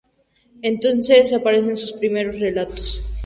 Entonces aparecen sus primeros relatos.